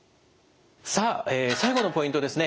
さあ最後のポイントですね。